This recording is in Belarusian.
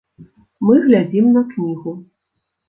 Мы глядзім на кнігу.